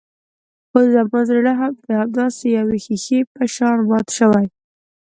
اوس زما زړه هم د همداسې يوې ښيښې په شان مات شوی.